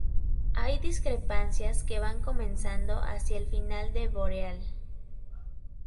Hay discrepancias que van comenzando hacia el final de "Boreal".